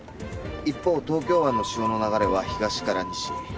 一方東京湾の潮の流れは東から西。